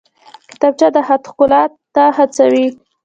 کتابچه د خط ښکلا ته هڅوي